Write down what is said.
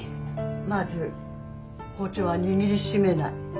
まず包丁は握りしめない。